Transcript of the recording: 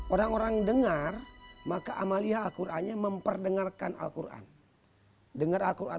orang orang dengar maka amaliyah al qurannya memperdengarkan al quran